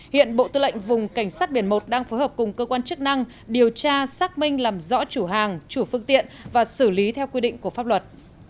hiện bộ tư lệnh vùng cảnh sát biển một đang phối hợp cùng cơ quan chức năng điều tra xác minh làm rõ chủ hàng chủ phương tiện và xử lý theo quy định của pháp luật